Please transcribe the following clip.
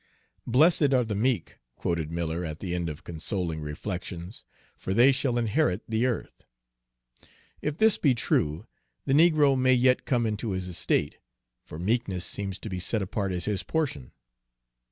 "'Blessed are the meek,'" quoted Miller at the end of these consoling reflections, "'for they shall inherit the earth.' If this be true, the negro may yet come into his estate, for meekness seems to be set apart as his portion."